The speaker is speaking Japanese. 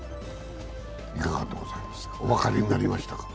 お分かりになりましたか？